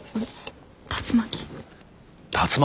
竜巻。